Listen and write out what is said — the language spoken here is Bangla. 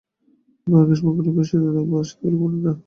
ঐ পাহাড়টি গ্রীষ্মকালে বেশ শীতল থাকবে, আর শীতকালে খুব ঠাণ্ডা হবে।